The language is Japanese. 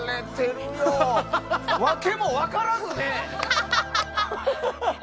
ワケも分からずね。